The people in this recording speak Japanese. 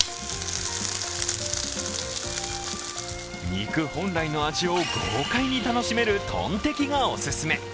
肉本来の味を豪快に楽しめるトンテキがお勧め。